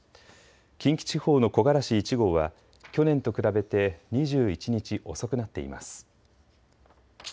近畿地方の木枯らし１号は去年と比べて２１日遅くなっています。